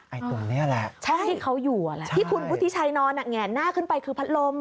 ไอ้ตุ่มนี่แหละที่เขาอยู่อะแหละที่คุณพุทธิชัยนอนอ่ะไงหน้าขึ้นไปคือพัดลม